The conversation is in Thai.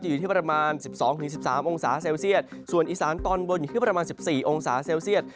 อยู่ที่ประมาณ๑๒๑๓องศาเซลเซียตส่วนอีสานตอนบนอยู่ที่ประมาณ๑๔องศาเซลเซียต